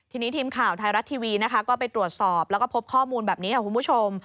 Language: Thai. ทีนี้ทีมข่าวไทยรัฐทีวีนะคะก็ไปตรวจสอบแล้วก็พบข้อมูลแบบนี้ค่ะคุณผู้ชม